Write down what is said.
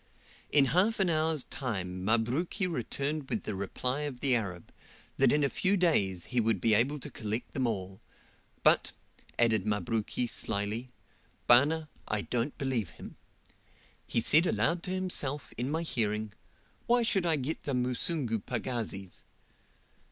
In half an hour's time Mabruki returned with the reply of the Arab, that in a few days he would be able to collect them all; but, added Mabruki, slyly, "Bana, I don't believe him. He said aloud to himself, in my hearing, 'Why should I get the Musungu pagazis?